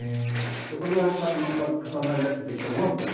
これが重なり合ってできたのがこういう。